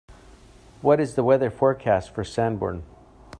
What is the weather forecast for Sanborn